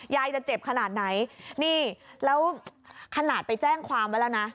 จะเจ็บขนาดไหนนี่แล้วขนาดไปแจ้งความไว้แล้วนะ